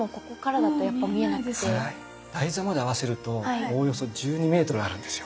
台座まで合わせるとおおよそ１２メートルあるんですよ。